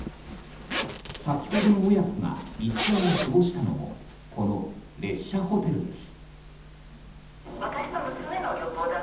先ほどの親子が一夜を過ごしたのもこの列車ホテルです。